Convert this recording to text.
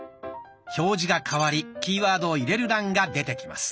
表示が替わりキーワードを入れる欄が出てきます。